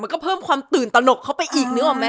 มันก็เพิ่มความตื่นตะหนกเข้าไปอีก